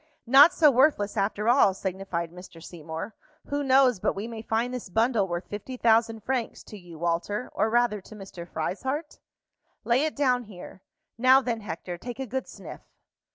"Not so worthless after all," signified Mr. Seymour. "Who knows but we may find this bundle worth fifty thousand francs to you, Walter, or rather to Mr. Frieshardt? Lay it down here. Now then, Hector, take a good sniff."